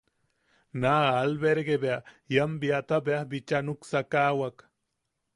Naa albergue bea ian biata beaj bicha nuksakawak.